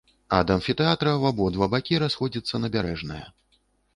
Ад амфітэатра ў абодва бакі расходзіцца набярэжная.